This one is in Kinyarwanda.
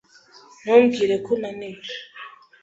Ntumbwire ko unaniwe.